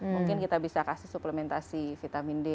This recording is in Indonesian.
mungkin kita bisa kasih suplementasi vitamin d